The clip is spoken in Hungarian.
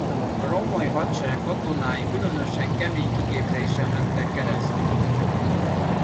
A római hadsereg katonái különösen kemény kiképzésen mentek keresztül.